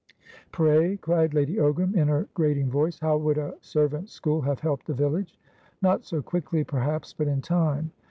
"Pray," cried Lady Ogram, in her grating voice, "how would a servants' school have helped the village?" "Not so quickly, perhaps, but in time.